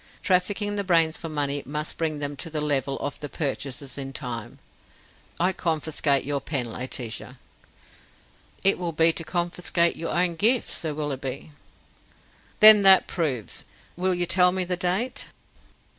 Trafficking the brains for money must bring them to the level of the purchasers in time. I confiscate your pen, Laetitia." "It will be to confiscate your own gift, Sir Willoughby." "Then that proves will you tell me the date?"